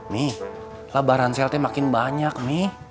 mi lebaran selte makin banyak mi